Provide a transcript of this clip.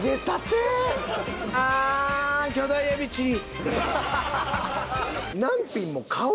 あ巨大エビチリ。